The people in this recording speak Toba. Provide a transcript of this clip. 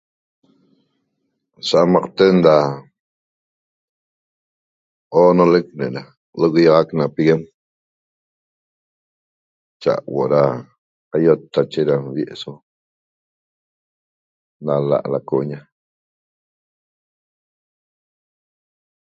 Sa'amaqten ra onolec re'era lviaxac na piguem cha' huo'o ra qaioqtache ra nvi' so nala' laco'oña